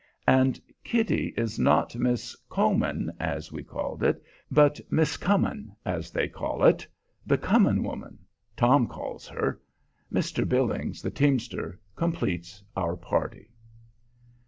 And Kitty is not Miss Co myn, as we called it, but Miss "Cummin," as they call it, "the Comin' woman," Tom calls her. Mr. Billings, the teamster, completes our party.